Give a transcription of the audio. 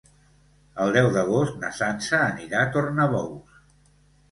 El deu d'agost na Sança anirà a Tornabous.